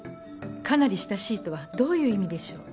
かなり親しいとはどういう意味でしょう？